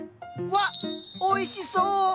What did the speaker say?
わっおいしそう！